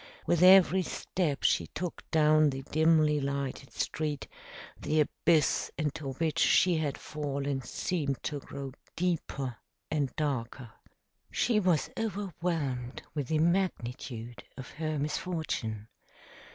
With every step she took down the dimly lighted street, the abyss into which she had fallen seemed to grow deeper and darker. She was overwhelmed with the magnitude of her misfortune.